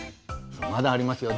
まだありますよ。